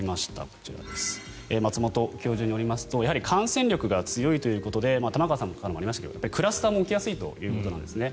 こちら、松本教授によりますとやはり感染力が強いということで玉川さんからもありましたがクラスターも起きやすいということなんですね。